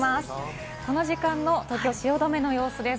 この時間の東京・汐留の様子です。